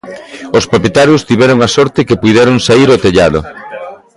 Os propietarios tiveron a sorte que puideron saír ao tellado.